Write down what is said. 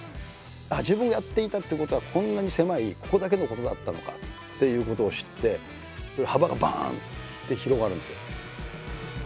あっ自分がやっていたことはこんなに狭いここだけのことだったのかっていうことを知って幅がバンって広がるんですよ。